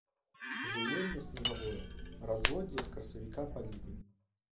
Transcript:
Жыўленне снегавое, разводдзе з красавіка па ліпень.